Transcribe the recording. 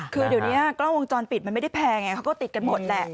คือเดี๋ยวนี้กล้องวงจรปิดมันไม่ได้แพงไงเขาก็ติดกันหมดแหละ